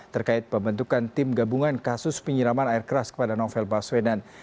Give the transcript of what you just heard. terkait pembentukan tim gabungan kasus penyiraman air keras kepada novel baswedan